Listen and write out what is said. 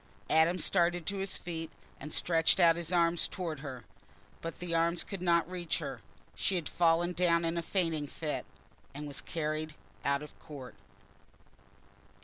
Adam started to his feet and stretched out his arms towards her. But the arms could not reach her: she had fallen down in a fainting fit, and was carried out of court.